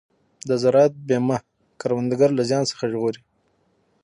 د زراعت بیمه کروندګر له زیان څخه ژغوري.